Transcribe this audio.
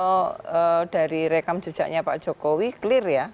kalau dari rekam jejaknya pak jokowi clear ya